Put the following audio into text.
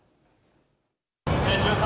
１３